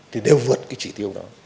thì đều vượt cái chỉ tiêu đó